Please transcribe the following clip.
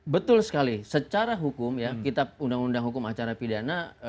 betul sekali secara hukum ya kitab undang undang hukum acara pidana